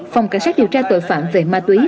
phòng cảnh sát điều tra tội phạm về ma túy